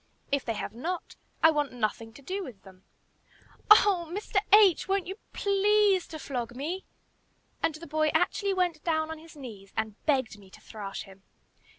If they have not, I want nothing to do with them." "Oh! Mr. H., won't you please to flog me?" And the boy actually went down on his knees and begged me to thrash him.